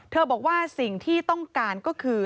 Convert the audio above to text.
บอกว่าสิ่งที่ต้องการก็คือ